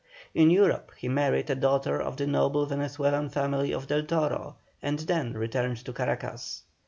In Europe he married a daughter of the noble Venezuelan family of Del Toro, and then returned to Caracas.